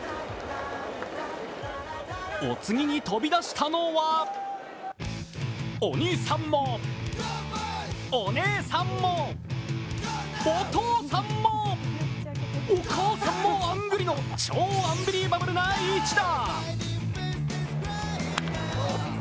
お次に飛び出したのはお兄さんもお姉さんもお父さんもお母さんもあんぐりの超アンビーバブルな一打。